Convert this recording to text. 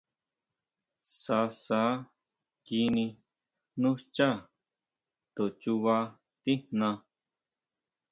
Sasa kini nú xchá, to chuba tijna.